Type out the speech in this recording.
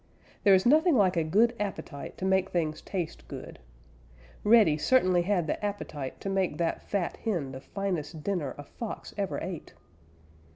There is nothing like a good appetite to make things taste good. Reddy certainly had the appetite to make that fat hen the finest dinner a Fox ever ate.